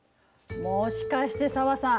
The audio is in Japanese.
もしかして紗和さん